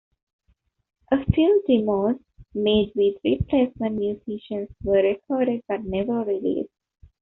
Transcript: A few demos made with replacement musicians were recorded but never released.